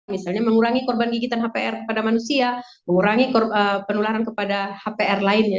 misalnya mengurangi korban gigitan hpr kepada manusia mengurangi penularan kepada hpr lainnya